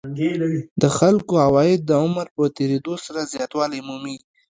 د خلکو عواید د عمر په تېرېدو سره زیاتوالی مومي